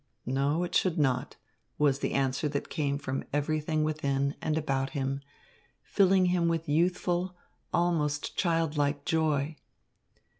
"No, it should not," was the answer that came from everything within and about him, filling him with youthful, almost childlike joy.